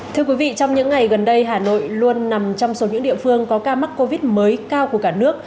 thưa quý vị trong những ngày gần đây hà nội luôn nằm trong số những địa phương có ca mắc covid mới cao của cả nước